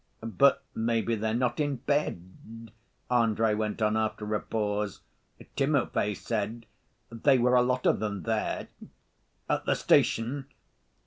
"But maybe they're not in bed!" Andrey went on after a pause. "Timofey said they were a lot of them there—" "At the station?"